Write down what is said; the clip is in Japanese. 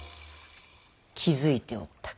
気付いておったか。